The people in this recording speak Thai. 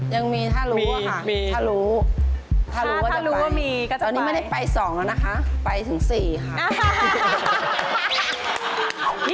ยังมีถ้ารู้อะค่ะถ้ารู้ถ้ารู้ว่าจะรู้ว่ามีตอนนี้ไม่ได้ไป๒แล้วนะคะไปถึง๔ค่ะ